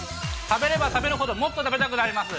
食べれば食べるほど、もっと食べたくなります。